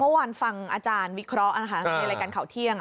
เมื่อวานฟังอาจารย์วิเคราะห์นะคะในรายการข่าวเที่ยง